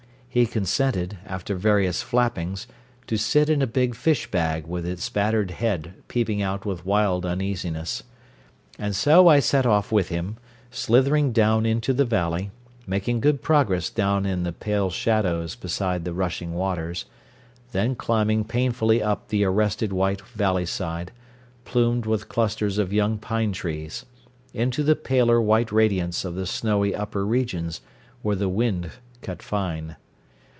He consented, after various flappings, to sit in a big fish bag with his battered head peeping out with wild uneasiness. And so I set off with him, slithering down into the valley, making good progress down in the pale shadows beside the rushing waters, then climbing painfully up the arrested white valley side, plumed with clusters of young pine trees, into the paler white radiance of the snowy upper regions, where the wind cut fine.